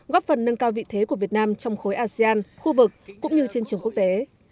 góp phần nâng cao vị thế của việt nam trong khối asean khu vực cũng như trên trường quốc tế